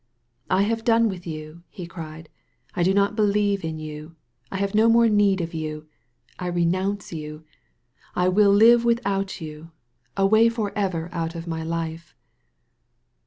"I have done with you, he cried. "I do not believe in you. I have no more need of you. I re nounce you. I will live without you. Away for ever out of my life